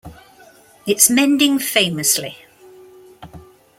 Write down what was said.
It's mending famously.